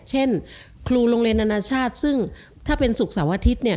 เช่นครูโรงเรียนอนาชาติซึ่งถ้าเป็นศุกร์เสาร์อาทิตย์เนี่ย